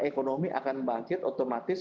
ekonomi akan bangkit otomatis